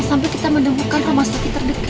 sampai kita menemukan rumah sakit terdekat